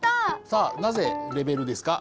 さあなぜ「レベル」ですか？